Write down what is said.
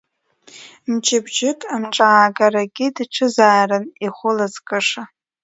Мчыбжьык амҿаагарагьы даҿызаарын, ихәылазкыша.